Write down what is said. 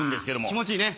気持ちいいね。